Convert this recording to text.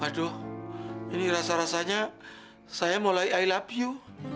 waduh ini rasa rasanya saya mulai i love you